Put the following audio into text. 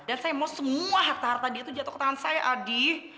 saya mau semua harta harta dia itu jatuh ke tangan saya adi